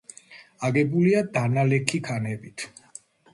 აგებულია დანალექი ქანებით.